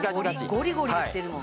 ゴリゴリいってるもん。